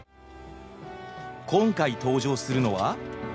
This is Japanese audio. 今回登場するのは。